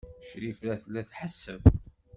Crifa tella tḥesseb.